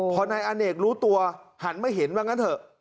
พอนายอเนกรู้ตัวหันมาเห็นว่างั้นเถอะ